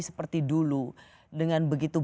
seperti dulu dengan begitu